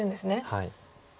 はい。